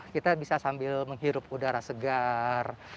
kita bisa sambil menghirup udara segar